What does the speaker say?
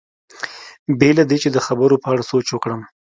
بې له دې چې د خبرو په اړه سوچ وکړم.